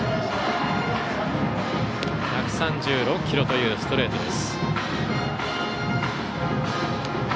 １３６キロというストレート。